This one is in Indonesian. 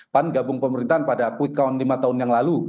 pan gabung ke pemerintahan pada kwekon lima tahun yang lalu